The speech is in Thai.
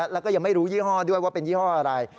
แล้วก็ยังไม่รู้ยี่ห้อด้วยว่าเป็นยี่ห้ออะไร